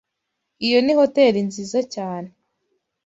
Iyo ni hoteri nziza cyane